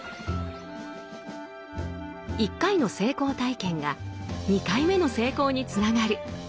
１回の成功体験が２回目の成功につながる。